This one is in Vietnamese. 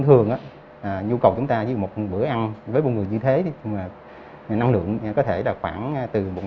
thường nhu cầu chúng ta với một bữa ăn với một người như thế thì năng lượng có thể là khoảng từ một tám trăm linh